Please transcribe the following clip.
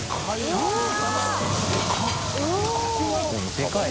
でかい！